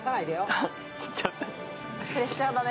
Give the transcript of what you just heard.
プレッシャーだね。